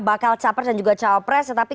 pakal capres dan juga capres tetapi